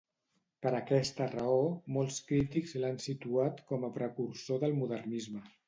Per aquesta raó, molts crítics l'han situat com a precursor del modernisme.